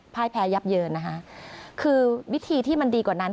พ่ายแพ้ยับเยินนะคะคือวิธีที่มันดีกว่านั้น